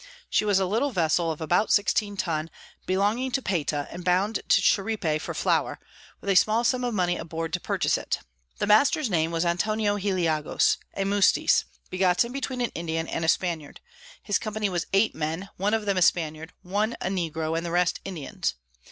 She was a little Vessel of about 16 Tun belonging to Payta, and bound to Cheripe for Flower, with a small Sum of Money aboard to purchase it. The Master's Name was Antonio Heliagos, a Mustees, begotten between an Indian and a Spaniard: his Company was eight Men, one of them a Spaniard, one a Negro, and the rest Indians.